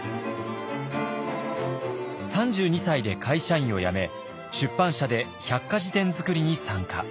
３２歳で会社員を辞め出版社で百科事典づくりに参加。